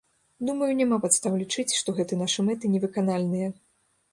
Думаю, няма падстаў лічыць, што гэты нашы мэты невыканальныя.